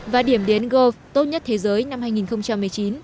và điểm đến hàng đầu thế giới về di sản năm hai nghìn một mươi chín